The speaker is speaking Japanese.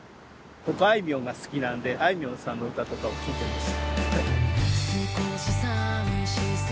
僕あいみょんが好きなんであいみょんさんの歌とかを聴いています。